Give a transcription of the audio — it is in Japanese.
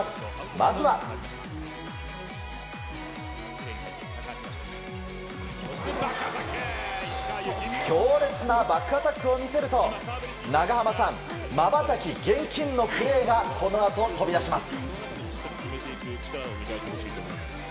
まずは、強烈なバックアタックを見せると長濱さん、まばたき厳禁のプレーがこのあと、飛び出します。